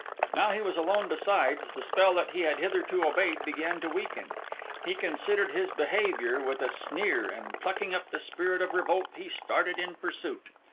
Now he was alone, besides, the spell that he had hitherto obeyed began to weaken; he considered his behaviour with a sneer; and plucking up the spirit of revolt, he started in pursuit.